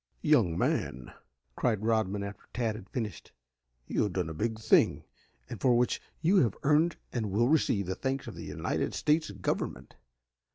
"Young man," cried Rodman after Tad had finished, "you have done a big thing, and for which you have earned and will receive the thanks of the United States Government.